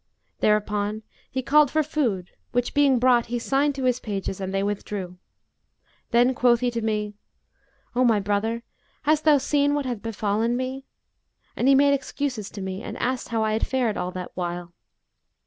Thereupon he called for food, which being brought, he signed to his pages, and they withdrew. Then quoth he to me, 'O my brother, hast thou seen what hath befallen me?'; and he made excuses to me and asked how I had fared all that while.